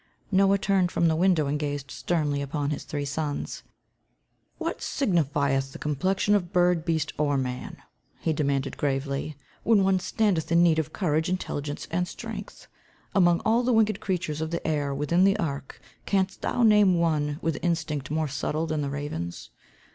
Noah turned from the window and gazed sternly upon his three sons. "What signifieth the complexion of bird, beast, or man," he demanded gravely, "when one standeth in need of courage, intelligence, strength? Among all the winged creatures of the air within the ark, canst thou name one with instinct more subtle than the raven's?